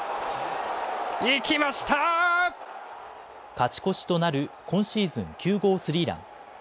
勝ち越しとなる今シーズン９号スリーラン。